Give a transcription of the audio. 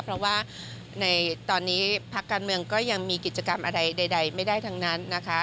เพราะว่าในตอนนี้พักการเมืองก็ยังมีกิจกรรมอะไรใดไม่ได้ทั้งนั้นนะคะ